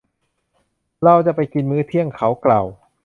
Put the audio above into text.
เราจะไปกินมื้อเที่ยง เขากล่าว